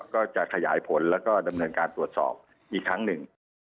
ก็จะขยายผลแล้วก็ดำเนินการตรวจสอบอีกครั้งหนึ่งนะครับ